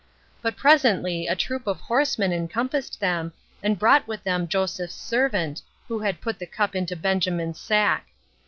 But presently a troop of horsemen encompassed them, and brought with them Joseph's servant, who had put the cup into Benjamin's sack.